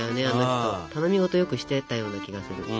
頼み事よくしていたような気がする。